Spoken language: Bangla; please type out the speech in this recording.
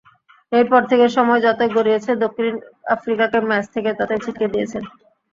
এরপর থেকে সময় যতই গড়িয়েছে, দক্ষিণ আফ্রিকাকে ম্যাচ থেকে ততই ছিটকে দিয়েছেন।